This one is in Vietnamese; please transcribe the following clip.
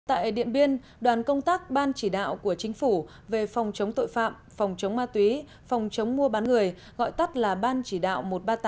tại điện biên đoàn công tác ban chỉ đạo của chính phủ về phòng chống tội phạm phòng chống ma túy phòng chống mua bán người gọi tắt là ban chỉ đạo một trăm ba mươi tám